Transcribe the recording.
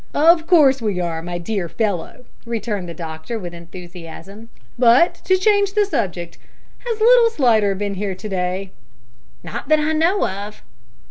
"Of course we are, my dear fellow," returned the doctor with enthusiasm. "But to change the subject has little Slidder been here to day?" "Not that I know of."